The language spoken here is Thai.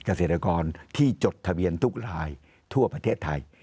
เกษตรกรที่จดทะเบียนทุกรายทั่วประเทศไทย